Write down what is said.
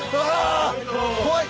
怖い！